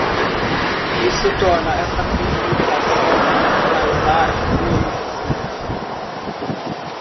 Isso torna essa comunicação muito mais ágil e eficiente.